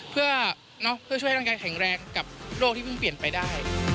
เพื่อช่วยให้ร่างกายแข็งแรงกับโรคที่เพิ่งเปลี่ยนไปได้